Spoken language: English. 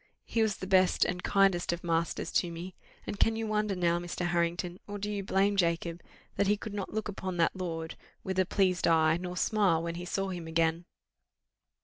He was the best and kindest of masters to me. And can you wonder now, Mr. Harrington, or do you blame Jacob, that he could not look upon that lord with a pleased eye, nor smile when he saw him again?"